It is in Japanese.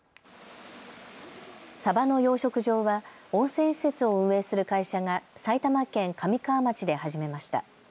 サバの養殖場は温泉施設を運営する会社が埼玉県神川町で始めました。